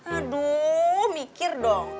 aduh mikir dong